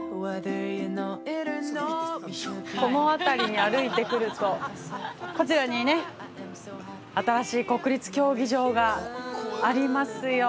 ◆この辺りに歩いてくると、こちらにね、新しい国立競技場がありますよ。